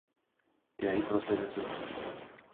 De ahí procede su nombre.